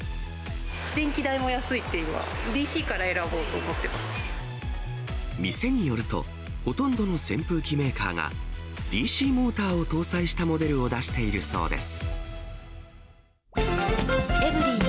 電気代も安いというのは、店によると、ほとんどの扇風機メーカーが、ＤＣモーターを搭載したモデルを出しているそうです。